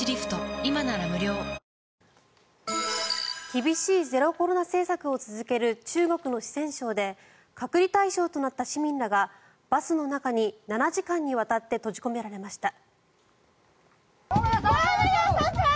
厳しいゼロコロナ政策を続ける中国の四川省で隔離対象となった市民らがバスの中に７時間にわたって閉じ込められました。